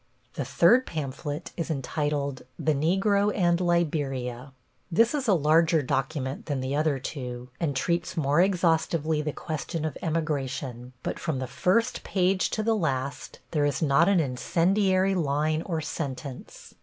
The third pamphlet is entitled The Negro and Liberia. This is a larger document than the other two, and treats more exhaustively the question of emigration, but from the first page to the last there is not an incendiary line or sentence.